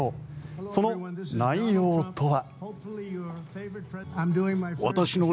その内容とは。